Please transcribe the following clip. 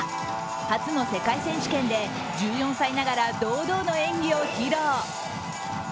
初の世界選手権で１４歳ながら堂々の演技を披露。